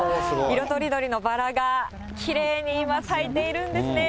色とりどりのバラがきれいに今、咲いているんですね。